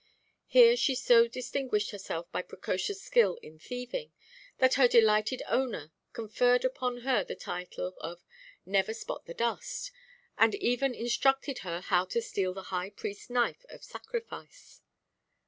Here she so distinguished herself by precocious skill in thieving, that her delighted owner conferred upon her the title of "Never–spot–the–dust," and even instructed her how to steal the high priestʼs knife of sacrifice.